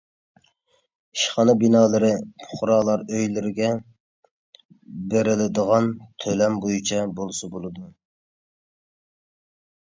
ئىشخانا بىنالىرى پۇقرالار ئۆيلىرىگە بېرىلىدىغان تۆلەم بويىچە بولسا بولىدۇ.